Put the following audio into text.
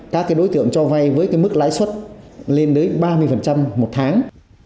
các đối tượng cho vay với mức lãi suất lên đến ba mươi một tháng